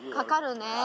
かかるね。